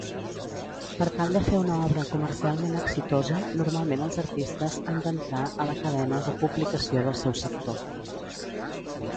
Per tal de fer una obra comercialment exitosa, normalment els artistes han d'entrar a la cadena de publicació del seu sector.